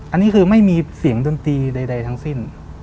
อันนี้คือไม่มีเสียงดนตรีใดทั้งสิ้น